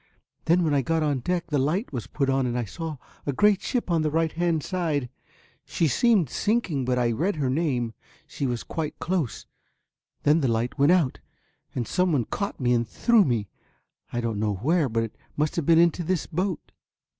Then when I got on deck the light was put on and I saw a great ship on the right hand side; she seemed sinking, but I read her name, she was quite close. Then the light went out and someone caught me and threw me I don't know where, but it must have been into this boat."